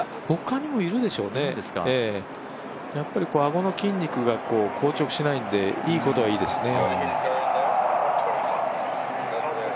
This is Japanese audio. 他にもいるでしょうね、あごの筋肉が硬直しないので、いいことはいいですね。